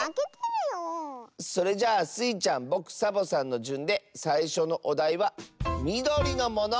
それじゃあスイちゃんぼくサボさんのじゅんでさいしょのおだいは「みどりのもの」！